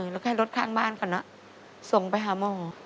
แล้วแค่รถข้างบ้านเขานะส่งไปหาหมอ